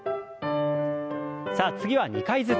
さあ次は２回ずつ。